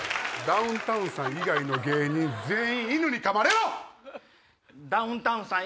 ダウンタウンさん以外の芸人全員犬にかまれろっ！